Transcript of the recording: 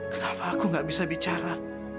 kenapa aku gak bisa bicara